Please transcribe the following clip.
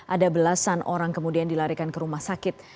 ada belasan orang kemudian dilarikan ke rumah sakit